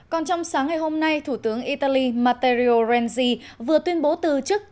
còn trong sáng ngày hôm nay thủ tướng italy matteo renzi vừa tuyên bố từ chức